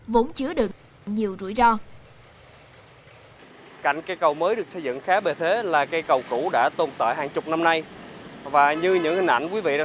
vốn chứa được nhiều rủi ro